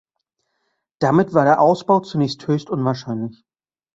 Damit war der Ausbau zunächst höchst unwahrscheinlich.